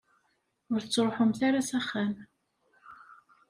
Ur ttruḥumt ara s axxam.